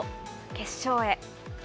決勝へ。